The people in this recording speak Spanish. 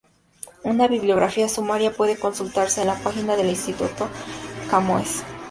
Una bibliografía sumaria puede consultarse en la página del Instituto Camões.